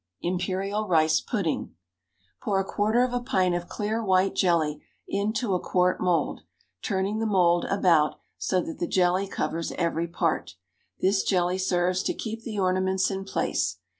Imperial Rice Pudding. Pour a quarter of a pint of clear white jelly into a quart mould, turning the mould about so that the jelly covers every part; this jelly serves to keep the ornaments in place.